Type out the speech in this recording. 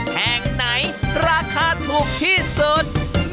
แห่งไหนราคาถูกที่สุด